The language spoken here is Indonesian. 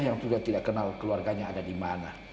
yang sudah tidak kenal keluarganya ada dimana